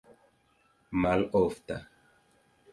malofta